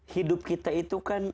hidup kita itu kan